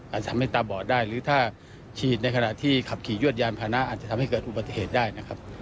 อาจจะทำให้ตาบอดได้หรือถ้าฉีดในขณะที่ขับขี่ยวดยานพานะอาจจะทำให้เกิดอุบัติเหตุได้นะครับ